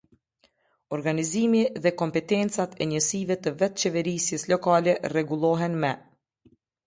Organizimi dhe kompetencat e njësive të vetëqeverisjes lokale rregullohen me.